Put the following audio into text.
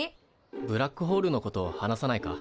ブラックホールのこと話さないか？